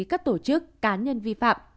các tổ chức cá nhân vi phạm